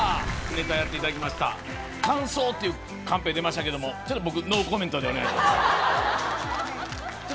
ネタやっていただきました「感想」っていうカンペ出ましたけどもちょっと僕ノーコメントでお願いします